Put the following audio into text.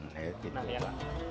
nah ini adalah